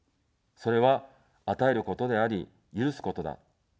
それは与えることであり、許すことだ。